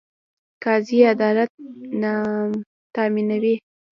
قاضي عدالت تامینوي